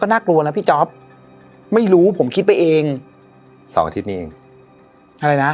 น่ากลัวนะพี่จ๊อปไม่รู้ผมคิดไปเองสองอาทิตย์นี้เองอะไรนะ